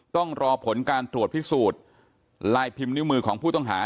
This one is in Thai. ต้องรอผลการตรวจพิสูจน์ลายพิมพ์นิ้วมือของผู้ต้องหา